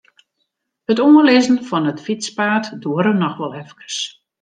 It oanlizzen fan it fytspaad duorre noch wol efkes.